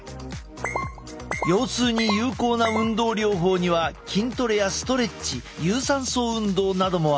腰痛に有効な運動療法には筋トレやストレッチ有酸素運動などもある。